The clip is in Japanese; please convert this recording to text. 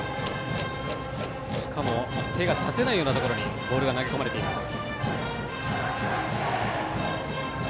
しかも手が出せないようなところにボールが投げ込まれています。